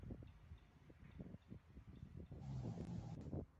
د توغندي په وزرو کې کوچنی انتن نصب شوی وو